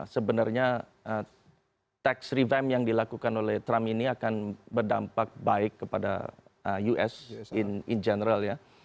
sebenarnya tax reveme yang dilakukan oleh trump ini akan berdampak baik kepada us in general ya